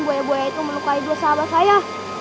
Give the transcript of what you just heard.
boya boya itu melukai dua sahabat saya